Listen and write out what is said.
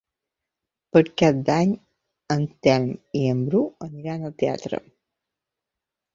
Per Cap d'Any en Telm i en Bru aniran al teatre.